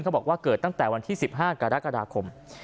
บอกว่าเกิดตั้งแต่วันที่๑๕กรกฎาคม